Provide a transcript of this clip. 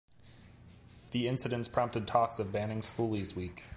The incidents prompted talks of banning Schoolies week.